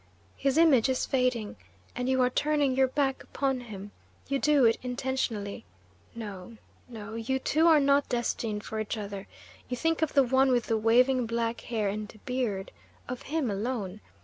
His image is fading, and you are turning your back upon him. You do it intentionally. No, no, you two are not destined for each other. You think of the one with the waving black hair and beard of him alone.